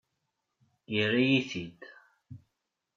Yerra-yi-t-id.